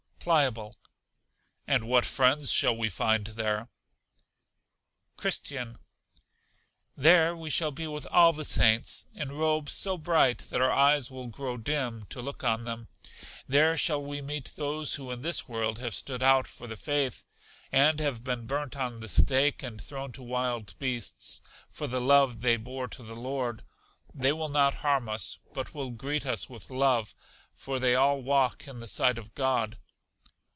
Pliable. And what friends shall we find there? Christian. There we shall be with all the saints, in robes so bright that our eyes will grow dim to look on them. There shall we meet those who in this world have stood out for the faith, and have been burnt on the stake, and thrown to wild beasts, for the love they bore to the Lord. They will not harm us, but will greet us with love, for they all walk in the sight of God.